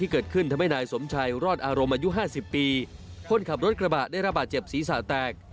เกิดขึ้นทำให้นายสมชัยรอดอารมณ์อายุห้าสิบปีคนขับรถกระบะได้ระบาดเจ็บศีรษะแตก